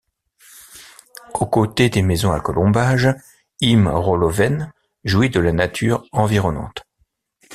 Aux côtés des maisons à colombage, Ihme-Roloven jouit de la nature environnante.